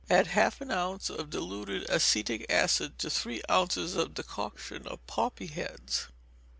Add half an ounce of diluted acetic acid to three ounces of decoction of poppy heads.